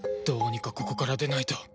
どうにかここから出ないと！